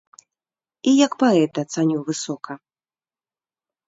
І як паэта цаню высока.